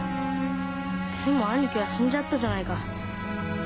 でも兄貴は死んじゃったじゃないか。